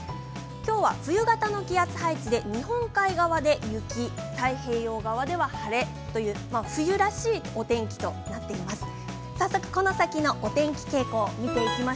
今日は冬型の気圧配置で日本海側で雪、太平洋側では晴れという冬らしいお天気となってきています。